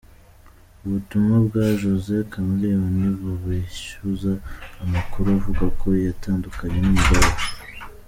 Ubutumwa bwa Jose Chameleone bubeshyuza amakuru avuga ko yatandukanye n'umugore we.